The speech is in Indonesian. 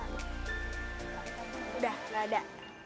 udah gak ada